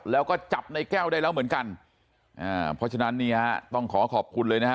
แล้วก็จับในแก้วได้แล้วเหมือนกันอ่าเพราะฉะนั้นเนี่ยต้องขอขอบคุณเลยนะฮะ